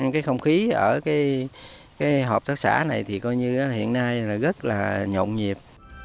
cái không khí ở cái hợp tác xã này thì coi như hiện nay là rất là nhộn nhịp